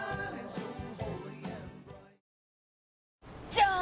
じゃーん！